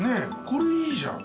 これいいじゃん。